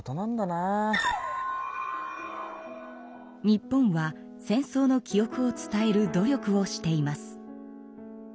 日本は戦争の記憶を伝える努力をしています。